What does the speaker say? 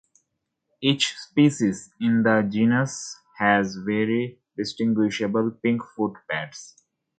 Each species in the genus has very distinguishable pink foot pads.